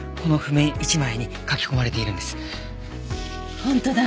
本当だ。